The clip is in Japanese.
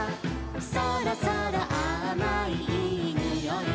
「そろそろあまいいいにおい」